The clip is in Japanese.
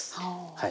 はい。